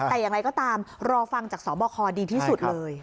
แต่อย่างไรก็ตามรอฟังจากสบคดีที่สุดเลย